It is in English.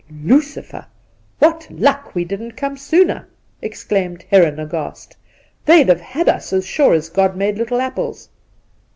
' Lucifer ! What luck we didn't come sooner !' exclaimed Heron, aghast. ' They'd have had us, as sure as God made little apples